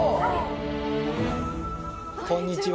こんにちは。